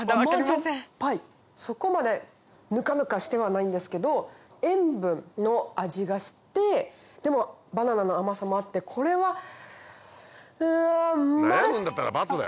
そこまでぬかぬかしてはないんですけど塩分の味がしてでもバナナの甘さもあってこれはうんマル！